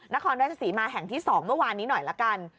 นครราชศรีมาแห่งที่๒เมื่อวานนี้หน่อยละกัน